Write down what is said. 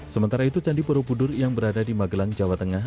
sementara itu candi borobudur yang berada di magelang jawa tengah